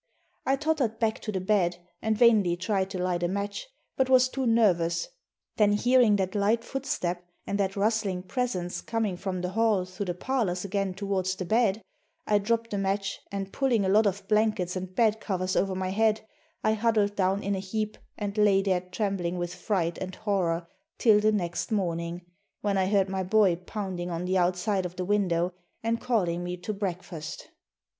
I tottered back to the bed and vainly tried to light a match, but was too nervous; then hearing that light footstep and that rustling presence coming from the hall through the parlors again towards the bed, I dropped the match and pulling a lot of blankets and bed covers over my head, I huddled down in a heap and lay there trembling with fright and horror till the next morning, when I heard my boy pounding on the outside of the window and calling me to breakfast.